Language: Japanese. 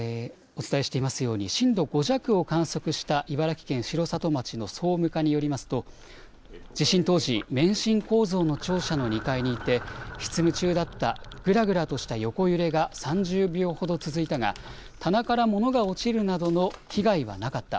お伝えしていますように震度５弱を観測した茨城県城里町の総務課によりますと地震当時、免震構造の庁舎の２階にいて執務中だった、ぐらぐらとした横揺れが３０秒ほど続いたが棚から物が落ちるなどの被害はなかった。